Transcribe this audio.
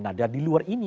nah dari luar ini